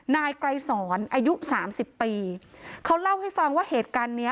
นายไกรสอนอายุสามสิบปีเขาเล่าให้ฟังว่าเหตุการณ์เนี้ย